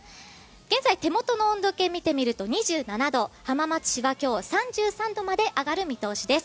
現在、手元の温度計見てみると２７度、浜松市は今日３３度まで上がる見通しです。